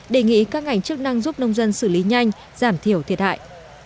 đề nghị các ngành chức năng giúp nông dân xử lý nhanh giảm thiểu thiệt hại